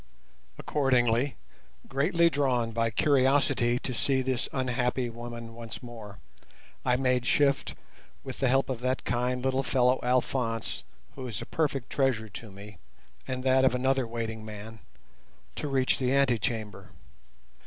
Accordingly, greatly drawn by curiosity to see this unhappy woman once more, I made shift, with the help of that kind little fellow Alphonse, who is a perfect treasure to me, and that of another waiting man, to reach the antechamber.